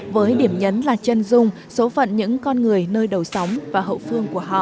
với điểm nhấn là chân dung số phận những con người nơi đầu sóng và hậu phương của họ